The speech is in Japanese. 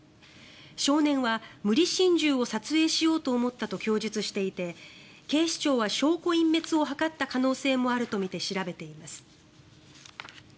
少年は、無理心中を撮影しようと思ったと供述していて警視庁は証拠隠滅を図った可能性もあるとみて調べています。